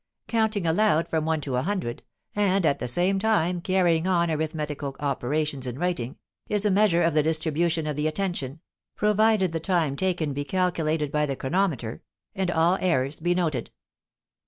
Counting aloud from one to a hundred, and at the same time carrying on arithmetical operations in writing, is a measure of the distribution of the attention, provided the time taken be calculated by the chronometer, and all errors be noted.